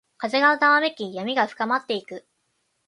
風がざわめき、闇が深まっていく。